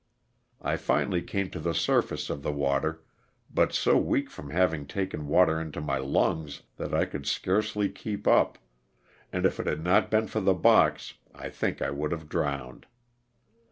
I finally came to the surface of the water but so weak from having taken water into my lungs that I could scarcely keep up, and if it had not been for the box I think I would have drowned.